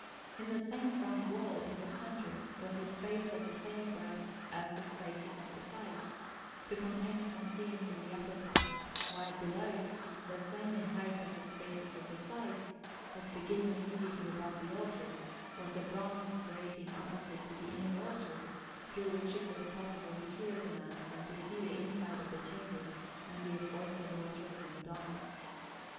In the same front wall, in the centre, was a space of the same breadth as the spaces at the sides, to contain some scenes in the upper part, while below, the same in height as the spaces of the sides, but beginning immediately above the altar, was a bronze grating opposite to the inner altar, through which it was possible to hear the Mass and to see the inside of the Chamber and the aforesaid altar of the Madonna.